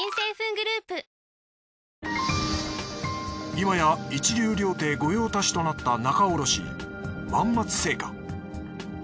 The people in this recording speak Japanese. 今や一流料亭御用達となった仲卸万松青果。